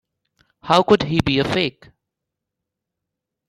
How could he be a fake?